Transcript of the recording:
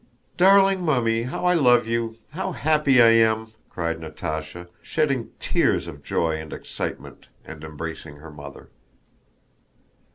"Darling Mummy, how I love you! How happy I am!" cried Natásha, shedding tears of joy and excitement and embracing her mother.